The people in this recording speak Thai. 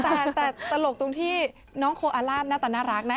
แต่ตลกตรงที่น้องโคราลาดจะน่ารักนะคะ